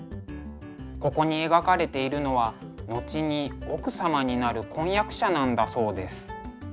ここに描かれているのは後に奥様になる婚約者なんだそうです。